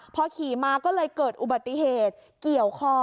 พอขี่มาก็เลยเกิดอุบัติเหตุเกี่ยวคอ